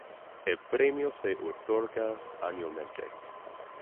El premio se otorga anualmente.